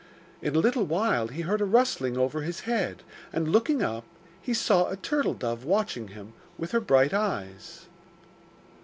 In a little while he heard a rustling over his head, and looking up, he saw a turtle dove watching him with her bright eyes.